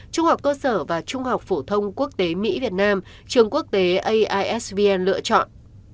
trung học cơ sở và trung học phổ thông quốc tế mỹ việt nam trường quốc tế aisb lựa chọn